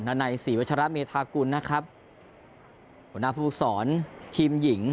นันไนสี่วัชระเมธากุลนะครับหัวหน้าผู้ฟุกศรทีมหญิง